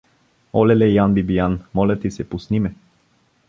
— Олеле, Ян Бибиян, моля ти се, пусни ме!